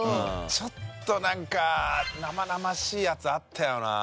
ちょっとなんか生々しいやつあったよな。